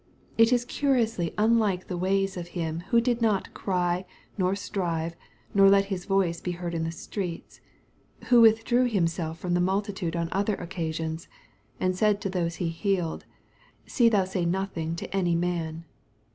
It is curiously unlike the ways of Him who did not " cry, nor strive, nor let His voice be heard in the streets" — who withdrew Himself from the multitude on other occasions— and said to those He healed, " see thou say nothing to any Man."